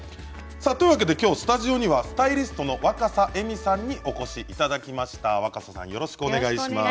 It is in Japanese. きょうスタジオにはスタイリストの若狭惠美さんにお越しいただきました。